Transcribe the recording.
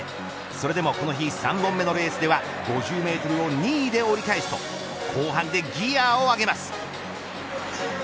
それでもこの日、３本目のレースでは５０メートルを２位で折り返すと後半でギアを上げます。